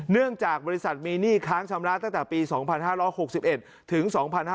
เนื่องจากบริษัทมีหนี้ค้างชำระตั้งแต่ปี๒๕๖๑ถึง๒๕๕๙